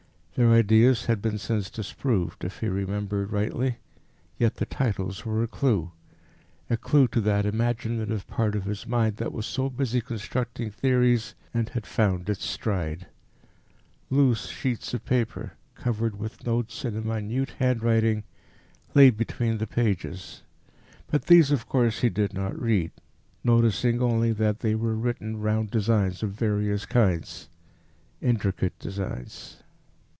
Their ideas had been since disproved, if he remembered rightly, yet the titles were a clue a clue to that imaginative part of his mind that was so busy constructing theories and had found its stride. Loose sheets of paper, covered with notes in a minute handwriting, lay between the pages; but these, of course, he did not read, noticing only that they were written round designs of various kinds intricate designs.